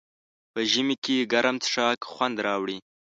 په ژمي کې ګرم څښاک خوند راوړي.